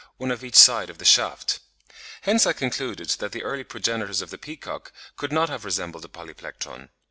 55), one on each side of the shaft. Hence I concluded that the early progenitors of the peacock could not have resembled a Polyplectron.